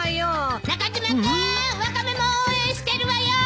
ワカメも応援してるわよ！